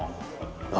あ？